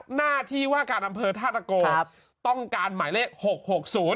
หน้าที่ว่าการัมเภอท่าสนโกต้องการหมายเลข๖๖๐